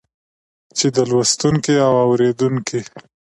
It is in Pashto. چې د لوستونکي او اورېدونکي